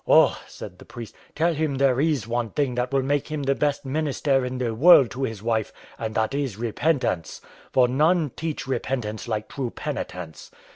"Oh," said the priest, "tell him there is one thing will make him the best minister in the world to his wife, and that is repentance; for none teach repentance like true penitents.